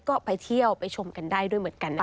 ก็ไปเที่ยวไปชมกันได้ด้วยเหมือนกันนะคะ